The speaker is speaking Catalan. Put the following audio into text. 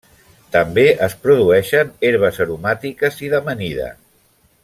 També es produeixen herbes aromàtiques i d'amanida.